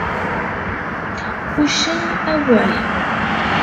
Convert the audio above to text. Uccen: Awah!